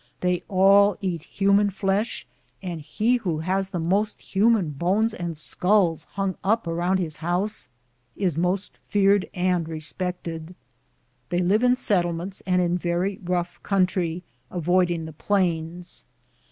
They all eat human flesh, and he who has the most human bones and skulls hung up around his house is most feared and am Google THE JOURMET OP COHONADO. respected. They live in settlements and in very rough country, avoiding the plains.